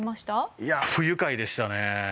いやあ不愉快でしたね。